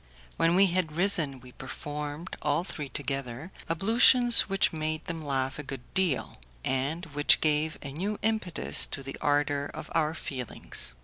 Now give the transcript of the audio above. When we had risen we performed, all three together, ablutions which made them laugh a good deal, and which gave a new impetus to the ardour of our feelings.